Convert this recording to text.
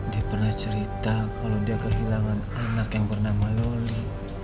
dia pernah cerita kalau dia kehilangan anak yang bernama loli